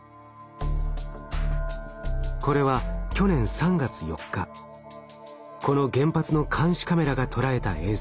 これは去年３月４日この原発の監視カメラが捉えた映像。